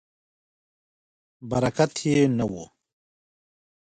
برکت یې نه و.